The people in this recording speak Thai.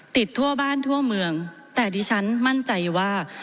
ทั่วบ้านทั่วเมืองแต่ดิฉันมั่นใจว่า